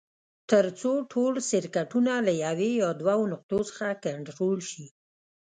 تر څو ټول سرکټونه له یوې یا دوو نقطو څخه کنټرول شي.